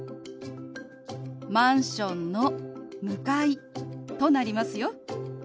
「マンションの向かい」となりますよ。